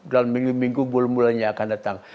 dalam minggu minggu bulan bulannya akan datang